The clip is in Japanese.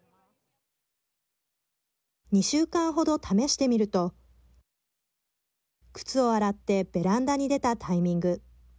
２週間程、試してみると靴を洗ってベランダに出たタイミング。